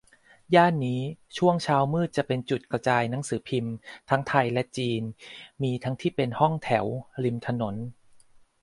ย่านนี้ช่วงเช้ามืดจะเป็นจุดกระจายหนังสือพิมพ์ ทั้งไทยและจีน มีทั้งที่เป็นห้องแถว ริมถนน